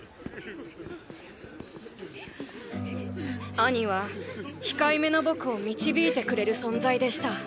兄は控えめな僕を導いてくれる存在でした。